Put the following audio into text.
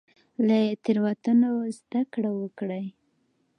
له تیروتنو زده کړه وکړئ